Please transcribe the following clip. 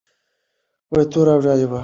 توره او ډال واخله.